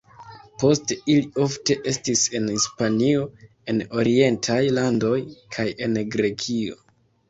Poste li ofte estis en Hispanio, en orientaj landoj kaj en Grekio.